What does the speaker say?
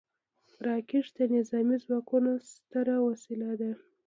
راکټ د نظامي ځواکونو ستره وسله ده